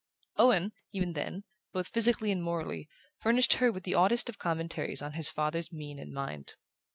Owen, even then, both physically and morally, furnished her with the oddest of commentaries on his father's mien and mind.